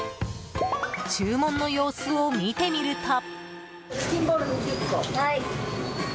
注文の様子を見てみると。